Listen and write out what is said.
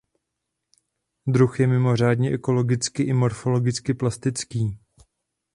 Druh je mimořádně ekologicky i morfologicky plastický.